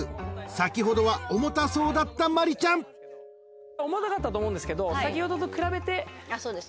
［先ほどは重たそうだった麻里ちゃん］重たかったと思うんですけど先ほどと比べて。